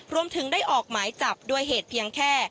รวมถึงได้ออกหมายจับด้วยเหตุเพียงแค่